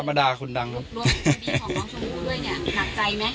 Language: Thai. ลุกลวงคดีของน้องชมูด้วยเนี่ย